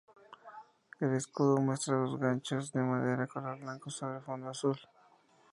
El escudo muestra dos ganchos de madera color blanco sobre fondo azul.